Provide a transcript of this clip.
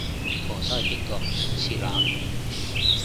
舵手係邊個？次男？